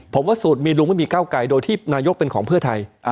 ผมว่าสูตรมีลุงไม่มีเก้าไกลโดยที่นายกเป็นของเพื่อไทย